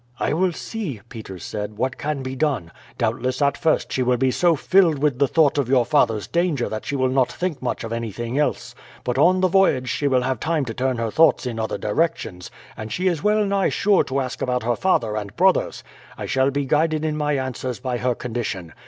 "I will see," Peters said, "what can be done. Doubtless at first she will be so filled with the thought of your father's danger that she will not think much of anything else; but on the voyage she will have time to turn her thoughts in other directions, and she is well nigh sure to ask about her father and brothers. I shall be guided in my answers by her condition.